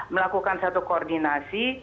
melakukan satu koordinasi